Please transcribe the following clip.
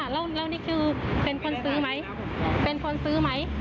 แล้วนี่คือเป็นคนซื้อไหมเป็นคนซื้อไหม